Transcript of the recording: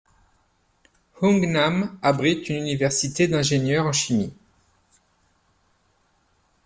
Hungnam abrite une université d'ingénieurs en chimie.